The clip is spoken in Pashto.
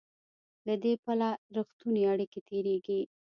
له دې پله رښتونې اړیکې تېرېږي.